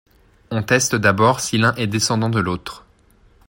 On teste d'abord si l'un est descendant de l'autre.